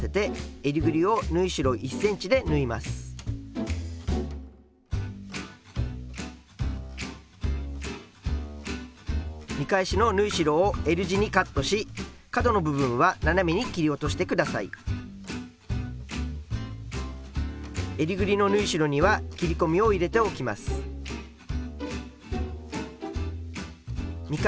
えりぐりの縫い代には切り込みを入れておきます。